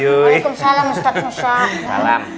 waalaikumsalam ustaz musa